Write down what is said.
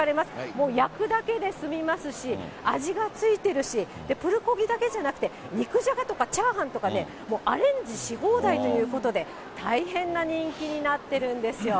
もう焼くだけで済みますし、味がついてるし、プルコギだけじゃなくて肉じゃがとかチャーハンとかね、もうアレンジし放題ということで、大変な人気になってるんですよ。